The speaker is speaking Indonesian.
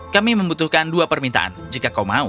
kami membutuhkan dua permintaan jika kau mau